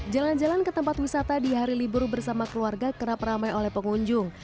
jalan jalan ke tempat wisata di hari libur bersama keluarga kerap ramai oleh pengunjung